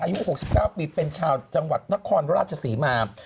อายุ๖๙ปีเป็นชาวจังหวัดนครราชศรีมา